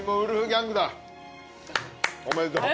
おめでとう。